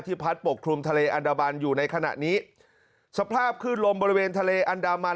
พัดปกคลุมทะเลอันดามันอยู่ในขณะนี้สภาพคลื่นลมบริเวณทะเลอันดามัน